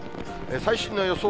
最新の予想